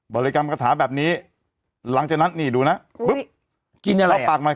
ริกรรมคาถาแบบนี้หลังจากนั้นนี่ดูนะปุ๊บกินอะไรเอาปากมา